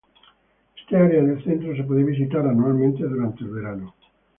Esta área del centro se puede visitar anualmente durante el verano.